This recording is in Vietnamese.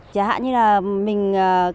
chẳng hạn như là mình